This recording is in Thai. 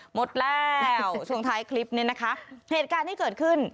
หมดแล้วช่วงท้ายคลิปนี้นะคะเหตุการณ์ที่เกิดขึ้น